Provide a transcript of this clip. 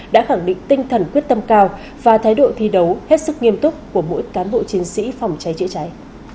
đã khẳng định tinh thần quyết tâm cao và thái độ thi đấu hết sức nghiêm túc của mỗi cán bộ chiến sĩ phòng cháy chữa cháy